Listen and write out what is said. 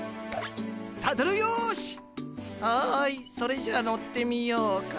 はいそれじゃあ乗ってみようか。